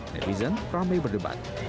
netizen ramai berdebat